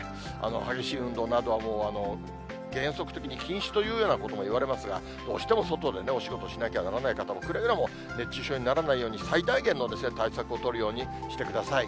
激しい運動などはもう原則的に禁止というようなこともいわれますが、どうしても外でお仕事しなきゃならない方も、くれぐれも熱中症にならないように、最大限の対策を取るようにしてください。